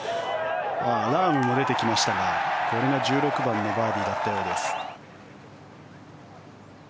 ラームも出てきましたがこれが１６番のバーディーだったようです。